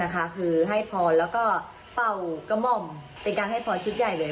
คือให้พรแล้วก็เป่ากระหม่อมเป็นการให้พรชุดใหญ่เลย